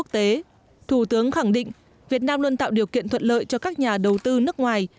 thủ tướng khẳng định việt nam luôn tạo điều kiện thuận lợi cho các nhà đầu tư nước ngoài